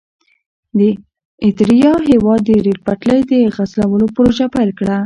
د اریتریا هېواد د ریل پټلۍ د غزولو پروژه پیل کړه.